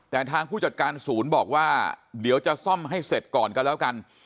แต่ทางผู้จัดการศูนย์บอกว่าเดี๋ยวจะซ่อมให้เสร็จก่อนก็แล้วกัน